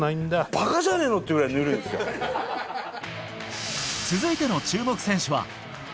ばかじゃねえのってぐらいぬ続いての注目選手は。